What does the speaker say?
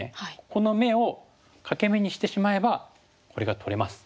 この眼を欠け眼にしてしまえばこれが取れます。